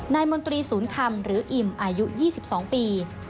มนตรีศูนย์คำหรืออิ่มอายุ๒๒ปี